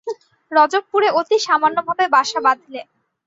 রজবপুরে অতি সামান্যভাবে বাসা বাঁধলে।